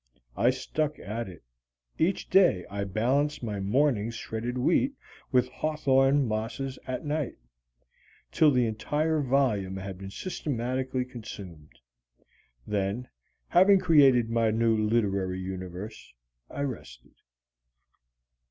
I stuck at it. Each day I balanced my morning's Shredded Wheat with Hawthorne Mosses at night, till the entire volume had been systematically consumed. Then, having created my new literary universe, I rested.